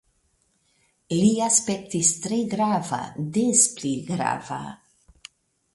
Li aspektis tre grava, des pli grava.